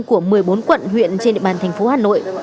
của một mươi bốn quận huyện trên địa bàn thành phố hà nội